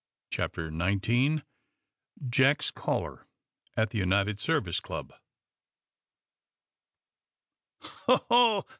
CHAPTER XIX JACK'S CALLER AT THE UNITED SERVICE CLUB "Ho ho!